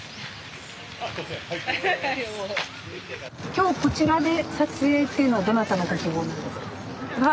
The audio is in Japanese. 今日こちらで撮影っていうのはどなたのご希望なんですか？